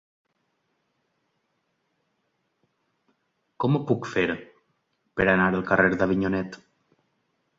Com ho puc fer per anar al carrer d'Avinyonet?